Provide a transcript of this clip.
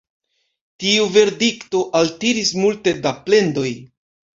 Tiu verdikto altiris multe da plendoj.